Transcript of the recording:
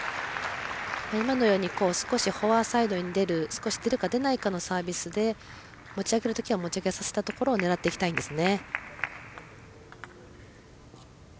今のように少しフォアサイドに少し出るか出ないかのサービスで持ち上げる時は持ち上げさせたところを狙っていきたいんですね。